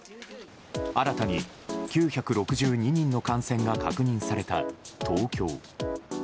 新たに９６２人の感染が確認された東京。